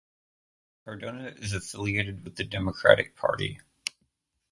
Cardona is affiliated with the Democratic Party.